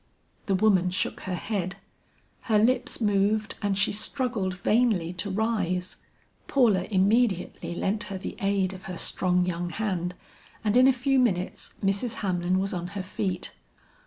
The woman shook her head, her lips moved and she struggled vainly to rise. Paula immediately lent her the aid of her strong young hand and in a few minutes, Mrs. Hamlin was on her feet.